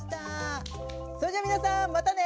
それじゃ皆さんまたね！